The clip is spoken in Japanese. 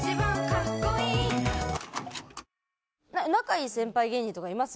仲いい先輩芸人とかいます？